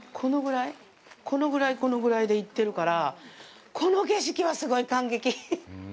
このぐらい、このぐらいで行ってるから、この景色はすごい感激！